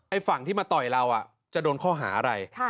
ฝั่งที่มาต่อยเราจะโดนข้อหาอะไร